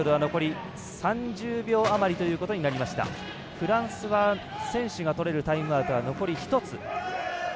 フランスは選手がとれるタイムアウトは残り１つ。